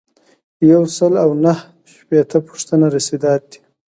یو سل او نهه شپیتمه پوښتنه رسیدات دي.